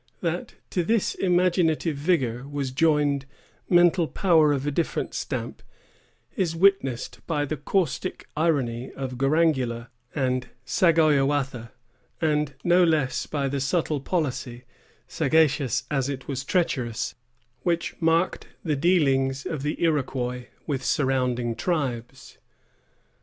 That to this imaginative vigor was joined mental power of a different stamp, is witnessed by the caustic irony of Garangula and Sagoyewatha, and no less by the subtle policy, sagacious as it was treacherous, which marked the dealings of the Iroquois with surrounding tribes.